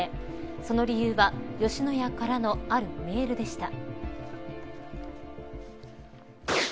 その理由は吉野家からのあるメールでした。